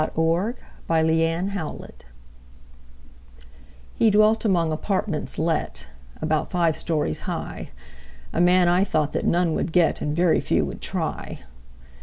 Phoebe Cary Jacob HE dwelt among "apartments let," About five stories high; A man I thought that none would get, And very few would try.